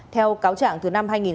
theo cáo trạng thứ năm hai nghìn sáu